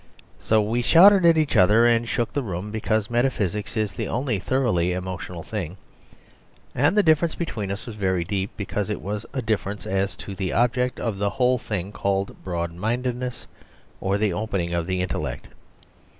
So we shouted at each other and shook the room; because metaphysics is the only thoroughly emotional thing. And the difference between us was very deep, because it was a difference as to the object of the whole thing called broad mindedness or the opening of the intellect.